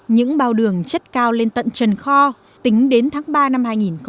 những bào đường chất cao lên tận trần kho tính đến tháng ba năm hai nghìn một mươi tám